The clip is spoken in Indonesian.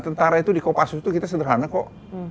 tentara itu di kopassus itu kita sederhana kok